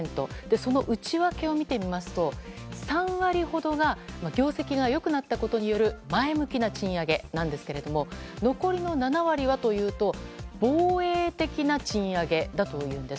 その内訳を見てみますと３割ほどが業績が良くなったことによる前向きな賃上げなんですけれども残りの７割はというと防衛的な賃上げだというんです。